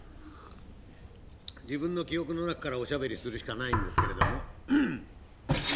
自分の記憶の中からおしゃべりするしかないんですけれども。